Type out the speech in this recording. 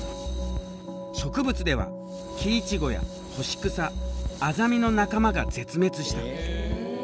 植物ではキイチゴやホシクサアザミの仲間が絶滅した。